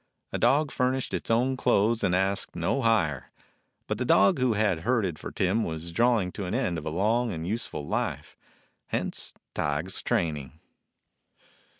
A dog furnished its own clothes and asked no hire. But the dog who had herded for Tim was drawing to the end of a long and useful life; hence Tige's training.